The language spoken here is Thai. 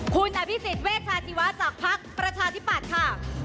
คุณนาพิสิทธิ์เวชาชีวาจากพักประชาธิปัตย์ค่ะ